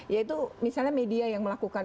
yaitu misalnya media yang melakukan